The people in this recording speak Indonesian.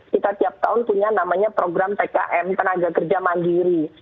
kita tiap tahun punya namanya program tkm tenaga kerja mandiri